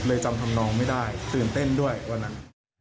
จำทำนองไม่ได้ตื่นเต้นด้วยวันนั้น